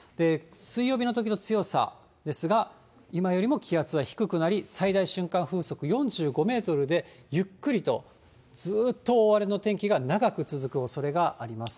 水曜日のときの強さですが、今よりも気圧は低くなり、最大瞬間風速４５メートルで、ゆっくりと、ずっと大荒れの天気が長く続くおそれがあります。